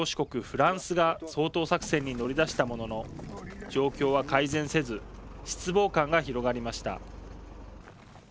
フランスが掃討作戦に乗り出したものの状況は改善せず失望感が広がりました。